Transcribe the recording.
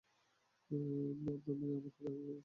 আপনার মেয়ে আমার হাতের, কী অবস্থা করেছে।